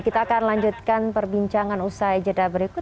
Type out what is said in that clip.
kita akan lanjutkan perbincangan usai jeda berikut